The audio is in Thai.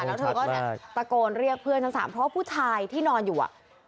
แล้วเธอก็เนี่ยตะโกนเรียกเพื่อนชั้น๓เพราะว่าผู้ชายที่นอนอยู่